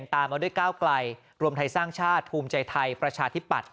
ตามมาด้วยก้าวไกลรวมไทยสร้างชาติภูมิใจไทยประชาธิปัตย